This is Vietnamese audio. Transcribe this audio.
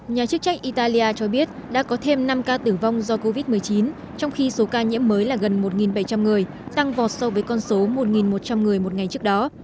nhà chức trách italia cho biết đã có thêm năm ca tử vong do covid một mươi chín trong khi số ca nhiễm mới là gần một bảy trăm linh người tăng vọt so với con số một một trăm linh người một ngày trước đó